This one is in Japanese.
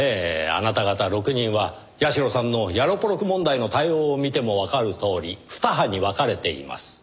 あなた方６人は社さんのヤロポロク問題の対応を見てもわかるとおり二派に分かれています。